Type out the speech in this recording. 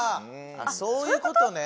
そういうことね。